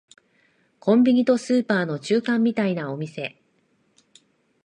コンビニとスーパーの中間みたいなお店